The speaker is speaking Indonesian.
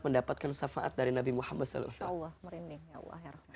mendapatkan syafaat dari nabi muhammad saw